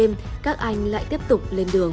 dù là ngày hay đêm các anh lại tiếp tục lên đường